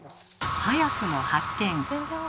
早くも発見！